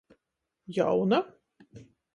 Jauna?